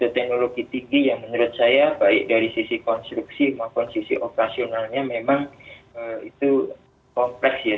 teknologi tinggi yang menurut saya baik dari sisi konstruksi maupun sisi operasionalnya memang itu kompleks ya